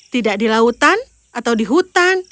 tidak di lautan atau di hutan